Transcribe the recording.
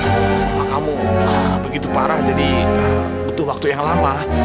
maka kamu begitu parah jadi butuh waktu yang lama